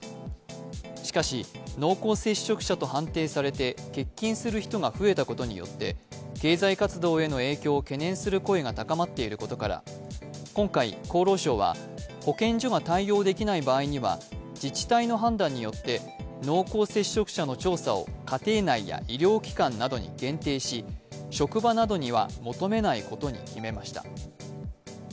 しかし、濃厚接触者と判定されて欠勤する人が増えたことによって経済活動への影響を懸念する声が高まっていることから、今回、厚労省は保健所が対応できない場合には、自治体の判断によって、濃厚接触者の調査を家庭内や医療機関などに限定し、職場などには求めないことに決めました。